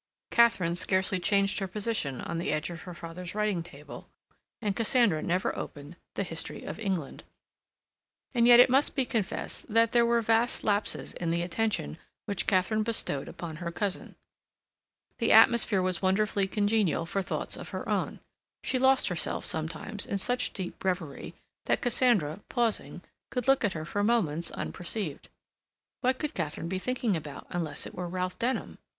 Katharine scarcely changed her position on the edge of her father's writing table, and Cassandra never opened the "History of England." And yet it must be confessed that there were vast lapses in the attention which Katharine bestowed upon her cousin. The atmosphere was wonderfully congenial for thoughts of her own. She lost herself sometimes in such deep reverie that Cassandra, pausing, could look at her for moments unperceived. What could Katharine be thinking about, unless it were Ralph Denham?